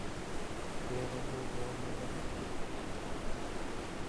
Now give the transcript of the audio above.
There was no government assistance.